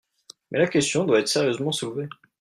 Mais la question doit être sérieusement soulevée.